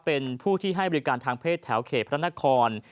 เป็นผู้ที่ให้บริการทางเพศแถวเขตพระนคร